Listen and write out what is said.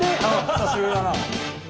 久しぶりだな。